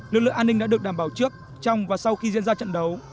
lực lượng an ninh đã được đảm bảo trước trong và sau khi diễn ra trận đấu